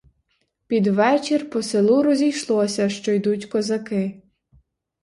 Під вечір по селу розійшлося, що йдуть козаки.